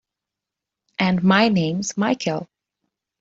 And my name's Michael.